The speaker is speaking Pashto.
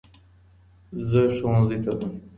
زه ښوونځی ته ځم.